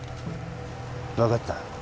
分かった